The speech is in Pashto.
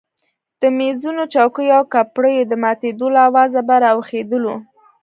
د مېزونو چوکیو او کپړیو د ماتېدو له آوازه به راویښېدلو.